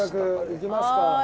行きますか。